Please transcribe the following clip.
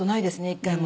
一回も。